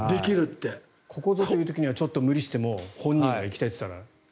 ここぞという時には無理しても本人が行きたいぞって言ったら。